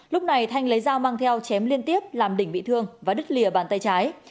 lúc này thanh lấy dao mang theo chém liên tiếp làm đỉnh bị thương và đứt lìa bàn tay trái